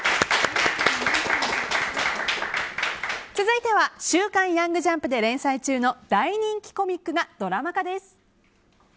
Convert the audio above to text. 続いては「週刊ヤングジャンプ」で連載中の大人気コミックがドラマ化です。